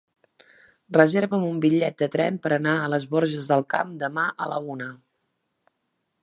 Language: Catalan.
Reserva'm un bitllet de tren per anar a les Borges del Camp demà a la una.